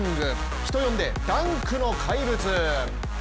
人呼んで、ダンクの怪物。